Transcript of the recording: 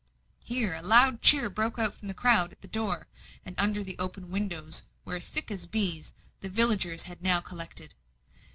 Here a loud cheer broke from the crowd at the door and under the open windows, where, thick as bees, the villagers had now collected.